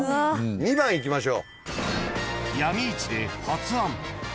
２番いきましょう。